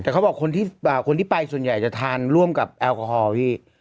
แต่เขาบอกคนที่ไปส่วนใหญ่จะทานร่วมกับแอลกอฮอล์พี่